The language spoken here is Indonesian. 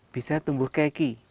bisa tumbuh keki